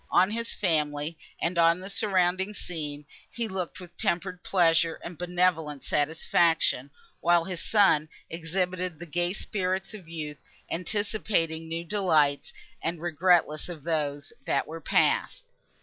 On his family, and on the surrounding scene, he looked with tempered pleasure and benevolent satisfaction, while his son exhibited the gay spirits of youth, anticipating new delights, and regretless of those, that were passed.